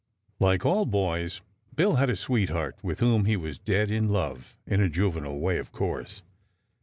Like all boys Bill had a sweetheart with whom he was "dead in love," in a juvenile way, of course.